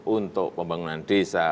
untuk pembangunan desa